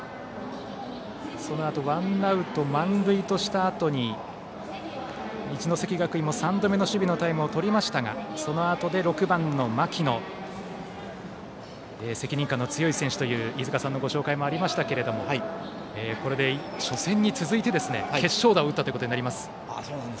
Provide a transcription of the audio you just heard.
そのあとワンアウト満塁としたあとに一関学院も３度目の守備のタイムをとりましたがそのあとで、６番の牧野責任感の強い選手という飯塚さんのご紹介もありましたけれどもこれで初戦に続いて決勝打を打ったことになります。